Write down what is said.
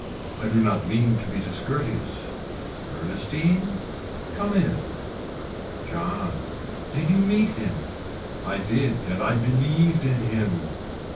I do not mean to be discourteous. Ernestine. Come in. John. Did you meet him. I did and I believed in him.